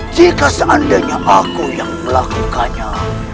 jika seandainya aku yang melakukannya